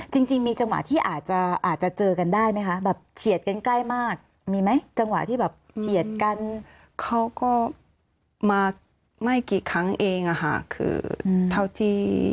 จริงมีจังหวะที่อาจจะเจอกันได้ไหมคะแบบเฉียดกันใกล้มากมีไหมจังหวะที่แบบเฉียดกันเขาก็มาไม่กี่ครั้งเองอะค่ะคือเทาจี